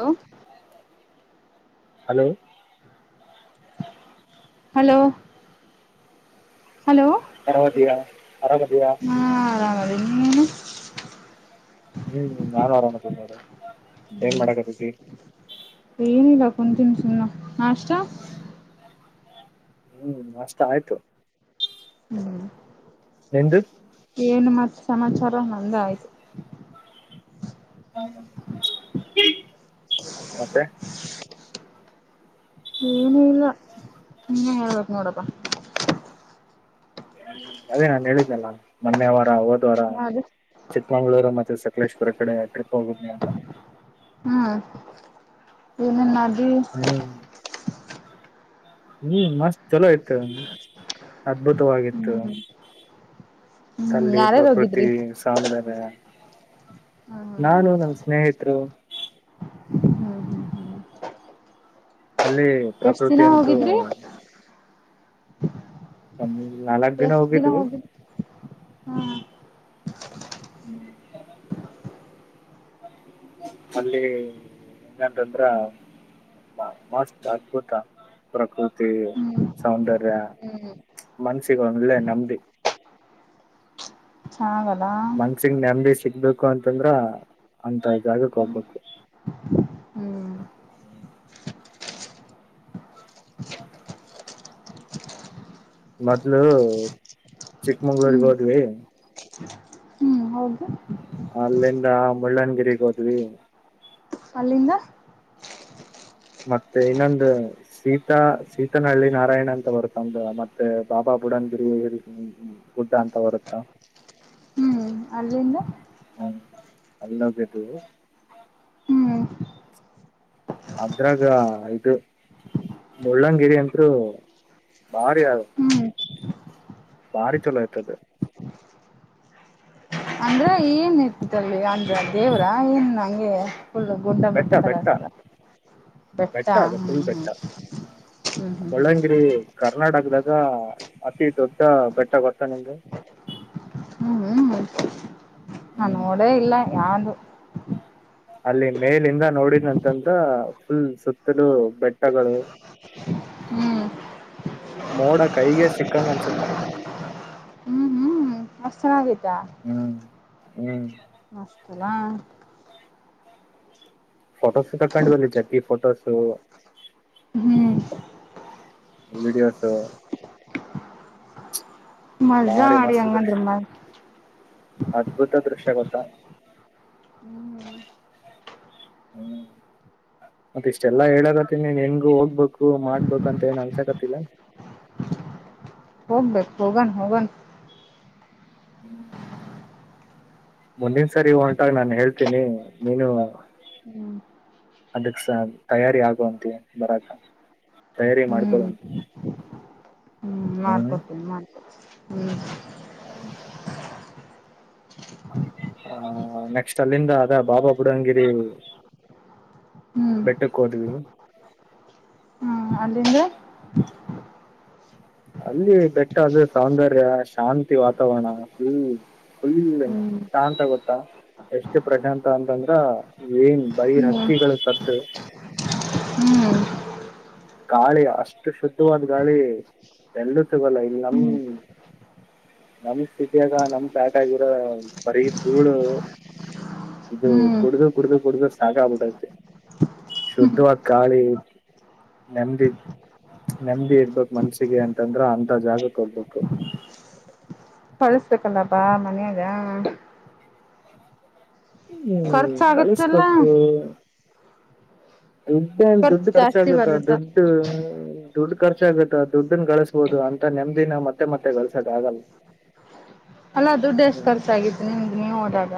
Hello hello hello hello ಆರಾಮ ಇದ್ದಿಯಾ. ಹಾ ಆರಾಮ ಅದನಿ ನೀವು. [unintelligible] ನಾನು ಆರಾಮ ಅದೇನ್ ನೋಡ್ ನೀನು ಮಾಡಾಕ [unintelligible] ಒಂದು [unintelligible] ನಾಷ್ಟಾ. ಹ್ಮು ನಾಷ್ಟಾ ಆಯ್ತು. ಹ್ಮು ಎಂದು ಏನು ಮತ್ತೆ ಸಮಾಚಾರ ನಂದಯ್ತು ಮತ್ತೆ ಏನ ಇಲ್ಲ ನೀನ್ನ ಹೇಳ್ಬೇಕ ನೋಡಪ್ಪ ಅದೇ ನಾನ್ ಹೇಳಿದ್ದೆಲ್ಲ ಮೊನ್ನೆ ವಾರ ಹೋದ್ ವಾರ ಯಾವ್ದು ಚಿಕ್ಕಮಂಗ್ಗಳೂರು ಮತ್ತೆ ಸಕಲೇಶ್ವರ ಕಡೆ ಯ ಕಡೆ ಹೋಗುದನಿ ಅಂತ ಹ್ಮ್ ಏನೇನ್ ಮಾಡ ಹ್ಮ್ ಹ್ಮ್ ಮಸ್ತ್ ಚಲೋ ಇತ್ತು ಅದ್ಭುತವಾಗಿತ್ತು ಹ್ಮ್ ಹ್ಮ್ ಅಲ್ಲಿ ಯಾರ್ಯಾರು ಪ್ರಕೃತಿ ಹೋಗಿದ್ರಿ ಸೌಂದರ್ಯ ಹ್ಮ್ ನಾನು ನಮ ಸ್ನೇಹಿತರು ಹ್ಮ್ ಹ್ಮ್ ಹ್ಮ್ ಹ್ಮ್ ಹ್ಮ್ ಅಲ್ಲಿ ಎಷ್ಟ್ ಪ್ರಕೃತಿ ದಿನ ಅಂತೂ ಹೋಗಿದ್ರಿ ನಾಲ್ಕ್ ದಿನ ಹೋಗಿದವಿ ಹ್ಮ್ ಹ್ಮ್ ಅಲ್ಲಿ ನಂತಂದ್ರ ಮಸ್ತ್ ಅದ್ಭುತ ಪ್ರಕೃತಿ ಹ್ಮ್ ಸೌಂದರ್ಯ ಹ್ಮ್ ಮನ್ಸಿಗೆ ವಳೆ ನೆಮ್ಮದಿಯ ಚೆನ್ನಾಗ್ ಐತ ಮನ್ಸಿಗ್ ನೆಮ್ಮದಿ ಸಿಗ್ಬೇಕು ಅಂತಂದ್ರ ಅಂತ ಜಾಗಕ್ ಹ್ಮ್ ಹೋಗ್ಬೇಕು ಹ್ಮ್ ಮೊದ್ಲು ಚಿಕ್ಕಮಂಗ್ಳೂರ್ಗ್ ಹ್ಮ್ ಹೋದ್ವಿ ಹೌದುಾ ಅಲ್ಲಿಂದ ಮುಳ್ಳನಗಿಗ್ ಹೋದ್ವಿ ಅಲ್ಲಿಂದ ಮತ್ತೆ ಇನ್ನೊಂದು ಸೀತಾ ಸೀತನಹಳ್ಳಿ ನಾರಾಯಣ ಅಂತ ಬರುತ್ತಂದ ಮತ್ತೆ ಬಾಬಾ ಬುಡನ್ ಬಿರಿ ಗುಡ್ಡ ಅಂತ ಬರುತ್ತಾ ಹ್ಮ್ ಅಲ್ಲಿಂದ ಹ್ಮ ಅಲ್ಲಹೋಗಿದ್ವಿ ಹ್ಮ್ ಅದ್ರಾಗ ಇಐದು ಮುಳ್ಳಂಗಿರಿ ಅಂಂತರು ಬಾರಿ ಯಾರು ಹ್ಮ್ ಭಾರಿ ಚಲೋ ಆಯ್ತದೆ ಅಂದ್ರ ಏನ್ ಇರ್ತಿತ್ತಲ್ವಿ ಅಂದ್ರ ದೇವ್ರ ಏನ್ ನಂಗೆ ಫುಲ್ ಗುಡ ಬೆಟ್ಟ ತರಸದ ಬೆಟ್ಟ ಅದ ಫುಲ್ ಬೆಟ್ಟ ಹ್ಮ್ ಹ್ಮ್ ಹ್ಮ್ ಬಳ್ಳಂಗಿರಿ ಕರ್ನಾಟಕದ ಅತಿ ದೊಡ್ಡ ಬೆಟ್ಟ ಗೋತ ನಿಮಗೆ ಹ್ಮ್ ಹ್ಮ್ ಹ್ಮ್ ಹ್ಮ್ ನಾ ಹ್ಮ್ ನೋಡೇ ಇಲ್ಲ ಯಾ್ದು ಅಲ್ಲಿ ಮೇಲಿಂದ ನೋಡಿದಂತಂದ ಫುಲ್ ಸುತ್ತಲೂ ಬೆಟ್ಟಗಳು ಹ್ಮ್ [inaudible] ಮೋಡ ಕೈಗೆ ಸಿಕ್ಕಂಗ ಅನ್ಸತ್ತ ಮಸ್ತ ನ ಗೀತ ಹ್ಮ್ ಮಸ್ತನಾಾ ಫೋಟೋಸು ತಕೊಂಡ ಬಲ್ಲಿ ಜಗ್ಗಿ ಫೋಟೋಸು ಹ್ಮ್ ವಿೀಡಿಯೋಸು ಮಜಾ ಭಾರಿ ಮಾಡಿ ಮಸ್ತ ಹಂಗಂದ್ರ ದೃಶ್ಯ ಮ ಅದ್ಭುತ ದೃಶ ಗೊತ್ತಾ ಹ್ಮ್ ಮತ್ತ ಇಷ್ಟೆಲ್ಲಾ ಹೇಳಕತ್ತನಿ ನಿನ್ಗು ಹೋಗ್ಬೇಕು ಮಾಡ್ಬೇಕು ಅಂತ ಏನ್ ಅನ್ಸಕತಿಲ್ಲ [inaudible] ಹೋಗ್ಬೇಕು ಹೋಗಣ ಹೋಗಣ [inaudible] ಮುಂದಿನ ಸರಿ [unintelligible] ನಾನ್ ಹೇಳ್ತೀನಿ [unintelligible] ಹ್ಮ್ ಅದಕ್ ಸ ತಯಾರಿ ಆಗುವಂತೆ ಬರಕ. ಹ್ಮ್ [unintelligible] ಮಾಡ್ಕೊತೀನಿ [unintelligible] ಹ್ಮ್ ಹ್ಮ ಹ ನೆಕ್ಸ್ಟ್ ಅಲ್ಲಿಂದ ಅದ ಬಾಬಾ ಬುಡಂಗಿರಿ ಹ್ಮ್ ಬೆಟ್ಟಕ್ [unintelligible] ಹ್ಮ್ ಅಲ್ಲಿಂದ. ಅಲ್ಲಿ ಬೆಟ್ಟದ ಸೌಂದರ್ಯ ಶಾಂತಿ ವಾತಾವರಣ ಹ್ಮ. ಫುಲ್ ಹ್ಮ್ ಶಾಂತ ಗೊತ್ತಾ ಎಷ್ಟು ಪ್ರಶಾಂತ ಅಂತಂದ್ರ ಏನ್ ಬರಿ ಹ್ಮ್ ಹಕ್ಕಿಗಳು ಸದ್ದು. ಹ್ಮ್ ಗಾಳಿ ಅಷ್ಟು ಶುದ್ಧವಾದ ಗಾಳಿ ಎಲ್ಲೂ ಸಿಗಲ್ಲ ಇಲ್ ನಮ್ ನಮ್ ಸಿಟಿಯಾಗ ನಮ್ ಪ್ಯಾಟಗಿರೋ ಬರಿ ಧೂಳು ಇದು ಹ್ಮ್ ಕುಡ್ದು ಕುಡ್ದು ಕುಡ್ದು ಸಾಕ ಆಗ್ಬಿಟ್ಟತೆ. ಶುದ್ಧವಾಗ ಗಾಳಿ [unintelligible] ನೆಮ್ಮದಿ ಇರ್ಬೇಕ್ ಮನ್ಸಿಗೆ ಅಂತಂದ್ರ ಅಂತ ಜಾಗಕ್ಕೆ ಹೋಗ್ಬೇಕು. ಕಳಸ್ಬೇಕಲ್ಲ ಪಾ ಮನೆಗಾ [unintelligible] ಖರ್ಚಾಗತ್ತಲ್ಲ ಕಲ್ಸ್ಬೇಕು. [unintelligible] ದುಡ್ ಖರ್ಚು ಖರ್ಚ ಜಾಸ್ತಿ ಆಗುತ್ತ ಬರುತ್ತ ದುಡ್ದು. ದುಡ್ ಖರ್ಚ ಆಗುತ್ತ ದುಡ್ಡನ್ ಗಳಸ್ಬೋದು ಅಂತ ನೆಮ್ದಿನ ಮತ್ತೆ ಮತ್ತೆ ಗಲ್ಸಕ್ ಆಗಲ್ಲ. ಅಲ್ಲ ದುಡ್ಡ ಎಷ್ಟ ಹ್ಮ್ ಖರ್ಚಾಗಿದ್ದು ನಿಮ್ದು ನೀವ ಹೋದಾಗ.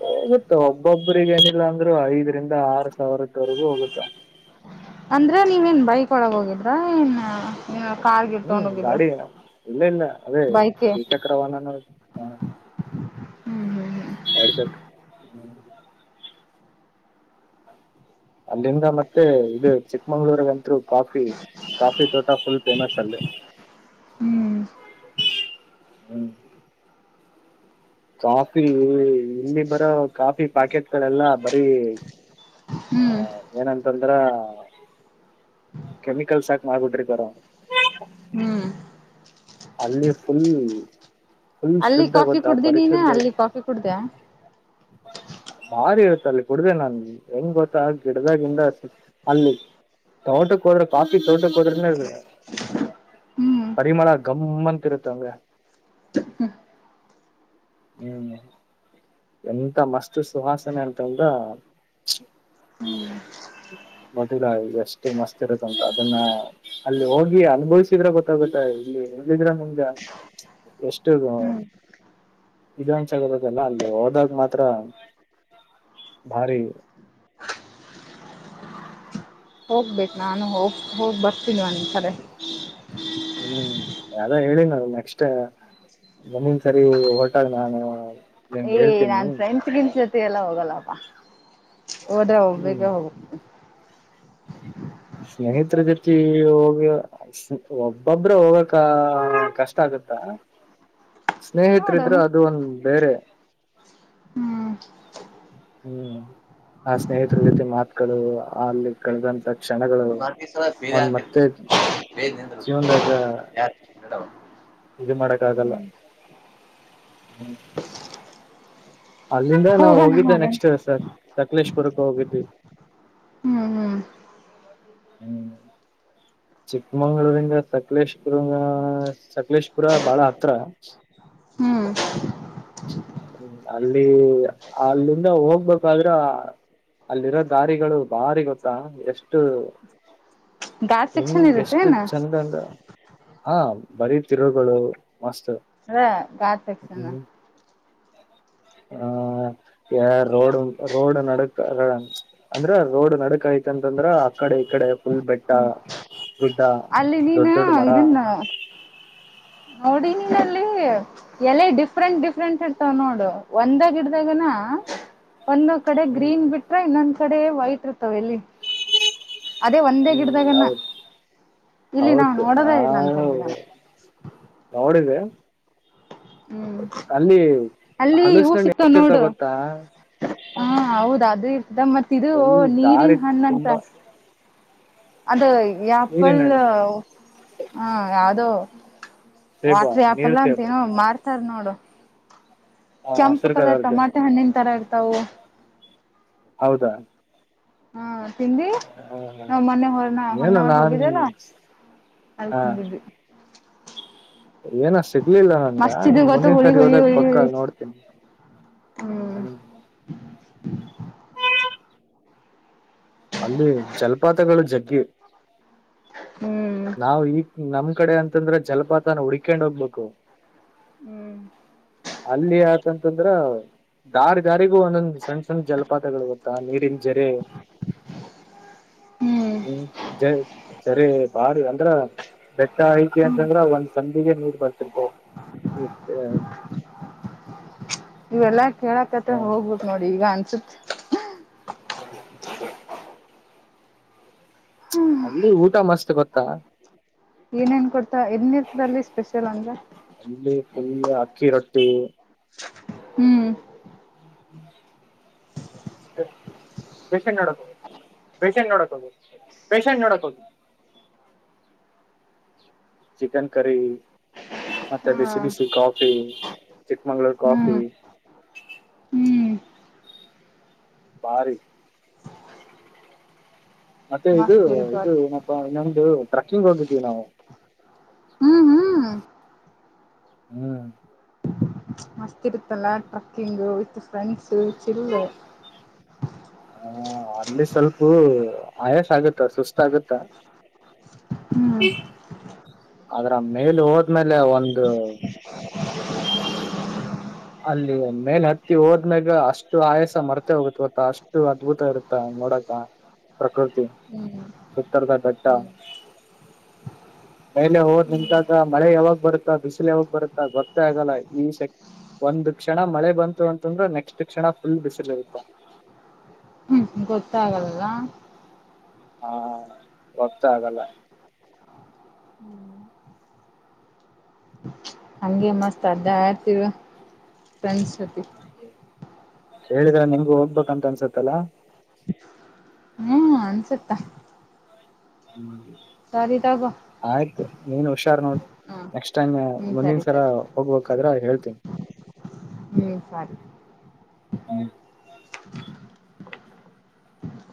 ಹೋಗುತ್ತಾ ಒಬ್ಬೊಬ್ಬ್ರಗ ಏನಿಲ್ಲ ಅಂದ್ರು ಐದರಿಂದ ಆರು ಸಾವಿರದವರೆಗೂ ಹೋಗುತ್ತಾ. ಹ್ಮ ಅಂದ್ರ ನೀವೇನ್ ಬೈಕೋಳಗ ಹೋಗಿದ್ರ ಏನ್ ಕಾರ್ ಗಿರ್ ಹ್ಮ್ ತಗೊಂಡ್ ಹೋಗಿದ್ರ ಗಾಡಿ [unintelligible] ಇಲ್ಲ ಇಲ್ಲ ಅದೇ ಬೈಕೆ ದ್ವಿಚಕ್ರ ವಾಹನ [unintelligible] ಹ್ಮ್ ಹ್ಮ್ [unintelligible] ಅಲ್ಲಿಂದ ಮತ್ತೆ ಇದು ಚಿಕ್ಕಮಂಗಳೂರ್ ಅಂತೂ ಕಾಫಿ ಕಾಫಿ ತೋಟ ಫುಲ್ ಫೇಮಸ್ ಅಲ್ಲಿ. ಹ ಹ್ಮ್ ಹ್ಮ್ ಕಾಫಿ ಇಲ್ಲಿ ಬರೋ ಕಾಫಿ ಪಾಕೆಟ್ ಗಳೆಲ್ಲ ಬರೀ ಹ್ಮ್ ಹ್ಮ್ ಹ ಏನಂತಂದ್ರ ಕೆಮಿಕಲ್ಸ್ ಹಾಕ ಮಾಡಬಿಟ್ಟ ಇರ್ತಾರ. ಹ್ಮ್ ಅಲ್ಲಿ ಫುಲ್ ಫುಲ್ ಅಲ್ಲಿ ಶುದ್ಧ ಕಾಫಿ ಗೊತ್ತ ಕುಡ್ದಿ ನೀನು ಪರಿಶುದ್ಧ. ಅಲ್ಲಿ ಕಾಫಿ ಕುಡ್ದ ಭಾರಿ ಇರುತ್ತ ಅಲ್ಲಿ ಕುಡ್ದ ನನ್ ಹೆಂಗ್ ಗೊತ್ತ ಗಿಡದಾಗಿಂದ ಅಲ್ಲಿ ತೋಟಕ್ಕೆ ಹೋದ್ರೆ ಕಾಫಿ ತೋಟಕ್ಕೆ ಹೋದ್ರೆನ [unintelligible] ಹ್ಮ್ ಪರಿಮಳ ಗಮ್ಮಂತಿರುತ್ತೆ ಅಲ್ಲೇ. ಹ್ಮ್ ಎಂತ ಮಸ್ತ್ ಸುವಾಸನೆ ಅಂತಂದ. [unintelligible] ಎಷ್ಟು ಮಸ್ತ್ ಇರುತ್ತಂತ ಅದನ್ನ ಅಲ್ಲಿ ಹೋಗಿ ಅನುಭವಿಸಿದ್ರೆ ಗೊತ್ತಾಗುತ್ತೆ [unintelligible] [unintelligible] ನಿಮಂಗ ಎಷ್ಟು ಹ್ಮ್ [unintelligible] ಇದುಂಚಗರದಲ್ಲ ಅಲ್ಲಿ [unintelligible] [unintelligible] ಮಾತ್ರ ಭಾರಿ ಹೋಗ್ಬೇಕು ನಾನು ಹೋಗ್ ಹೋಗಿ ಬರ್ತೀನಿ [unintelligible] ಕರೆ. ಹ್ಮ್ [unintelligible] ಹೇಳಿನ್ ಅಲ್ಲ ನೆಕ್ಸ್ಟ್ ಮುಂದಿನ್ ಸರಿ ಹೊರಟಾಗ್ ನಾನು. ನಿನ್ಗೆ [unintelligible] ನಾನ್ ಹೇಳ್ತೀನಿ ಫ್ರೆಂಡ್ಸ್ [unintelligible] ಜೊತೆಗೆಲ್ಲ ಹೋಗಲ್ಲಪ್ಪ. ಹೋದ್ರೆ ಹ್ಮ್ [unintelligible] ಹೋಗ್ ಸ್ನೇಹಿತ್ರರ ಜೊತಿ ಹೋಗ ಒಬ್ಬೊಬ್ರ ಹೋಗಕ ಕಷ್ಟ ಆಗ್ ಸ್ನೇಹಿತ್ರು ನೋಡೋಣ ಇದ್ರೆ ಅದು ಒಂದ್ ದೈರ್ಯ ಹ್ಮ್ ಹ್ಮ್ ಆ ಸ್ನೇಹಿತ್ರು ಜೊತೆ ಮಾತುಗಳು ಅಲ್ಲಿ ಕಳದಂತ ಕ್ಷಣಗಳು ಅವನ್ ಮತ್ತೆ ಜೀವನ್ದಾಗ. ಹಲೊ ಇದು ಮಾಡಕ್ ಆಗಲ್ಲ. ಅಲ್ಲಿಂದ ನಾವು ಹೋಗೋಣ ಹೋಗಿದ್ದೆ ಹೋಗೋಣ ನೆಕ್ಸ್ಟ್ ಸ ಸಕಲೇಶ್ಪುರಕ್ಕೆ ಹೋಗಿದ್ವಿ. ಹ್ಮ್ ಹ್ಮ್ ಹ್ಮ್ ಚಿಕ್ಕಮಂಗ್ಳೂರಿಂದ ಸಕಲೇಶ್ [unintelligible] ಸಕಲೇಶ್ ಪುರ ಬಾಳ ಹತ್ರ ಹ್ಮ್ ಹ್ಮ ಅಲ್ಲಿ ಅಲ್ಲಿಂದ ಹೋಗ್ಬೇಕಾದ್ರ. ಅಲ್ಲಿರೋ ದಾರಿಗಳು ಬಾರಿ ಗೊತ್ತಾ ಎಷ್ಟು. ಗಾಡ್ ಹೆಂಗ ಸೆಕ್ಷನ್ ಎಷ್ಟು ಇರುತ್ತೇನ ಚಂದ ಅಂದ್ರ ಹಾ ಬರೀ ತಿರುಗಳು. ಮಸ್ತು ಅದ ಗಾಡ್ ಸೆಕ್ಷನ್ ಹ್ಮ್ ಹ ಯ ರೋಡ್ ರೋಡ್ ನಡಕ್ ಅಂದ್ರ ರೋಡ್ ನಡಕ್ ಆಯ್ - - ಅಂತಂದ್ರ ಆ ಕಡೆ ಈ ಕಡೆ. ಫುಲ್ ಬೆಟ್ಟ ಗುಟ್ಟ ಅಲ್ಲಿ ನೀನ ದೊಡ್ ದೊಡ್ ಮರ. ನೋಡಿಲ್ಲಿ ಎಲೆ ಡಿಫ್ರೆಂಟ್ ಡಿಫ್ರೆಂಟ್ ಇರ್ತವ ನೋಡು ಒಂದೆಗಿಡ್‌ದಗಿನೆ. [inaudible] ಒಂದೊ ಕಡೆ ಹ್ಮ್ ಗ್ರೀನ್ ಬಿಟ್ರೆ ಇನ್ನೊಂದ್ ಕಡೆ ವೈಟ್ ಇರ್ತವೆ ಎಲ್ಲಿ. ಅದೇ ಒಂದೇ ಹ್ಮ್ ಗಿಡ್ದಾಗನ. ಹೌದ್ ಇಲ್ಲಿ ನಾ ಹೌದು ನೋಡದೇ ಇಲ್ಲ ಅಂತ ಗಿಡಾನ. ನೊಡಿದೆ. ಹ್ಮ್ ಅಲ್ಲಿ ಹೂ ಹಲಸಿನಣ್ಣು ಸಿಕ್ತದ್ ಎಷ್ಟಿರ್ತಾವ ನೋಡು. ಗೊತ್ತಾ ಹಾ ಹೌದ ಅದು ಇರ್ತದ ಮತ್ ಇದು ಫುಲ್ ದಾರಿ ನೀರಿನ್ ಹಣ್ಣಂತ. ತುಂಬಾ ಅದು ನೀರಿನ ಯಾಪಲ್ಲ ಹಣ್ಣು ಹಾ ಯಾವ್ದೋ. ಸೇಬು ವಾಟ್ರ ಆಪ್ ನೀರ್ ಲ್ಲ ಸೇಬು ಅಂತೇಏನು ಮಾರ್ತಾರ್ ನೋಡು. ಆ ಕೆಂಪು ಹಸಿರು ಕಲರ್ ಕಲರ್ದು ಟೊಮಾಟೆ ಹಣ್ಣಿನ್ ತರಾ ಇರ್ತವು. ಹೌದಾ ಹಾ ತಿಂಡಿ ಹ ನಾವ್ ಮೊನ್ನೆ ಹೊರ್ನ ಏನೋ ನಾನ್ ಹೊರ್ನಹೋಗಿದ್ಲ್ ಅಲ್ ಹ [unintelligible] ಏನೋ ಸಿಗ್ಲಿಲ್ಲ ನನ್ಗ ಮಸ್ತ್ ಇದು ಗೊತ್ತು ಮುಂದಿನ್ ಹುಳಿ ಸಾರಿ ಹುಳಿ ಹೋದಗ ಹುಳಿ ಪಕ್ಕ ಹುಳಿ ನೋಡ್ತೀನಿ. ಹ್ಮ್ ಅಲ್ಲಿ ಜಲ್ಪಾತಗಳು ಜಗ್ಗಿ ಹ್ಮ್ ನಾವ್ ಈ ನಮ ಅ ಕಡೆ ಅಂತಂದ್ರೆ ಜಲಪಾತನ ಹುಡಿಕೊಂಡ್ ಹೋಗ್ಬೇಕು. ಹ್ಮ್ ಅಲ್ಲಿ ಆ ತಂತ್ರಂದ್ರ. ದಾರ್ ದಾರಿಗೂ ಒಂದೊಂದ್ ಸಣ್ಣ ಸಣ್ಣ ಜಲಪಾತಗಳು ಗೊತ್ತಾ ನೀರಿನ ಜರಿ. ಹ್ಮ್ ಜರ್ ಜರಿ ಬಾರಿ ಅಂದ್ರ. ಬೆಟ್ಟ ಆಯ್ತಿ ಹ್ಮ್ ಅಂತಂದ್ರ ಒಂದ್ ಸಂದಿಗೆ ನೀರ್ ಬರ್ತಿತವೂ. [inaudible] ಇವೆಲ್ಲಾ ಕೇಳಕ್ತ್ರೆ ಹೋಗ್ಬೇಕು ನೋಡಿ ಈಗ ಅನ್ಸುತ್ತೆ. ಹ [inaudible] ಅಲ್ಲಿ ಊಟ ಮಸ್ತ್ ಗೊತ್ತಾ... ಏನೇನ್ ಕೊಡ್ತ ಎಲ್ಲಿರ್ತದಲ್ಲಿ ಸ್ಪೆಷಲ್ ಅಂದ್ರ... ಅಲ್ಲಿ ಫುಲ್ ಅಕ್ಕಿ ರೊಟ್ಟಿ.. ಹ್ಮ್ [inaudible] ಪೇಷಂಟ್ ನೋಡಕ್ ಹೋಗ್ಬೇಕು ಪೇಷಂಟ್ ನೋಡಕ್ ಹೋಗ್ಬೇಕು ಪೇಷಂಟ್ ನೋಡಕ್ ಹೋಗ್ಬೇಕು. ಚಿಕನ್ ಕರಿ ಮತ್ತೆ ಹಾ ಬಿಸಿ ಬಿಸಿ ಕಾಫಿ. ಚಿಕ್ಮಂಗ್ಗಳೂರು ಕಾಫಿ... ಹ್ಮ್ ಹ್ಮ್ ಬಾರಿ. ಮತ್ತೆ ಇದು ಮಸ್ತ್ ಇದು ಇರುತ್ ಏನಪ್ಪ ಇನ್ನೊಂದು ಟ್ರೆಕ್ಕಿಂಗ್ ಹೋಗಿದೀವಿ ನಾವು... ಹ್ಮ್ ಹ್ಮ್ ಹ್ಮ್ [inaudible] ಮಸ್ತ್ ಇರುತ್ತಲ್ಲ ಟ್ರಕ್ಕಿಂಗ್ ವಿತ್ ಫ್ರೆಂಡ್ಸ್ ಚಿಲ್ಲ... ಹ ಅಲ್ಲಿ ಸ್ವಲ್ಪ ಆಯಾಸ ಆಗುತ್ತಾ ಸುಸ್ತ ಆಾಗತ್ತ.... ಹ್ಮ್ ಅದ್ರ ಮೇಲೆ ಹೋದ್ಮೇಲೆ ಒಂದು... ಅಲ್ಲಿ ಮೇಲ್ ಹತ್ತಿ ಹೋದ್ಮ್ಯಾಗ ಅಷ್ಟು ಆಯಸ ಮರ್ತೆ ಹೋಗತ್ ಗತ್ತ ಅಷ್ಟು ಅದ್ಭುತ ಇರುತ್ತ. ನೋಡಕ ಪ್ರಕೃತಿ ಹ್ಮ್ ಉತ್ತರದ ಬೆಟ್ಟ. ಹ್ಮ ಹ್ಮ್ [inaudible] ಮೇಲೆ ಹೋದ ನಿಂತಾಗ ಮಳೆ ಯಾವಾಗ ಬರುತ್ತಾ ಬಿಸಿಲು ಯಾವಾಗ ಬರುತ್ತಾ ಭಕ್ತ ಆಗಲ್ಲ ಈ ಶಕ್ತಿ... ಒಂದ್ ಕ್ಷಣ ಮಳೆ ಬಂತು ಅಂತಂದ್ರೆ ನೆಕ್ಸ್ಟ್ ಕ್ಷಣ ಫುಲ್ ಬಿಸಿಲ್ ಇರುತ. ಗೊತ್ತಾಗಲ್ಲ. ಹಾ ಹೋಗ್ತಾ ಆಗಲ್ಲ.. ಹಗೆ ಮಸ್ತ್ ಅ್ದ ಆರ್ತೀವ ಫ್ರೆಂಡ್ಸ್ ಜತಿ... ಹೇಳಿದ್ರ ನಿಮ್ಗು ಹೋಗ್ಬೇಕಂತ ಅನ್ಸತ್ತಲ್ಲ. ಹ್ಮ ಅನ್ಸುತ್ತಾ.... ಹ್ಮ [inaudible] ಸರಿ ತಾಗ. ನೀಏನ್ ಹುಷಾರ್ ನೋಡ್ ನೆಕ್ಸ್ಟ್ ಟೈಮ್ ಹ್ಮ್ ಒಂದಿನ ಸರಿ ಸರ ಸರಿ ಹೋಗ್ಬೇಕಾದ್ರ ಹೇಳ್ತೀನಿ... ಹನ್ ಸಾರಿ. ಹ್ಮ [inaudible]